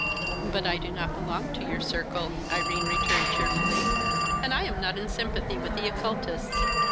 '" "But I do not belong to your circle," Irene returned cheerfully, "and I am not in sympathy with the occultists.